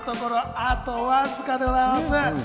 あとわずかでございます。